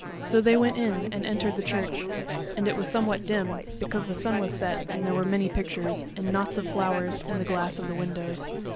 So they went in and entered the church, and it was somewhat dim, because the sun was set, and there were many pictures, and knots of flowers in the glass of the windows.